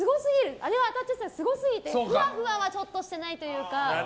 あれはすごすぎてふわふわはちょっとしてないというか。